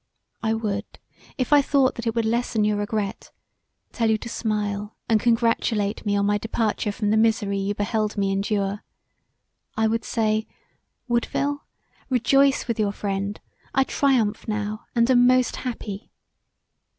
I would, if I thought that it would lessen your regret, tell you to smile and congratulate me on my departure from the misery you beheld me endure. I would say; Woodville, rejoice with your friend, I triumph now and am most happy.